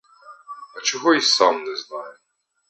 А чого й сам не знаю.